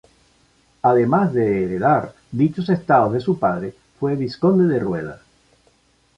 Además de heredar dichos estados de su padre fue vizconde de Rueda.